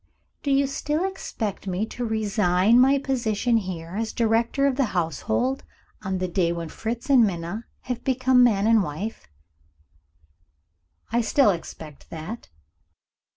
"Do you still expect me to resign my position here as director of the household, on the day when Fritz and Minna have become man and wife?" "I still expect that."